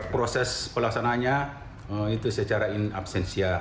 proses pelaksananya itu secara absensia